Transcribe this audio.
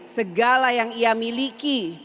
segala yang ia miliki